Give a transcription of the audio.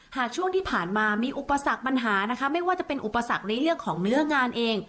หากช่วงที่ผ่านมามีอุปสรรคปัญหานะคะไม่ว่าจะเป็นอุปสรรคในเรื่องของเนื้องานเอง